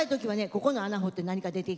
ここの穴掘って何か出てけえへん